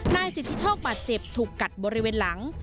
นายสิทธิโชคบาดเจ็บถูกกัดบริเวณหลัง